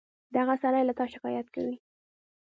دغه سړى له تا شکايت کوي.